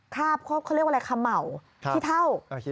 ทาบเขาเรียกว่าอะไรคำเหมาที่เท่า